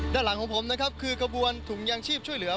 ด้านหลังของผมนะครับคือกระบวนถุงยางชีพช่วยเหลือ